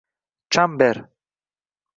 chamber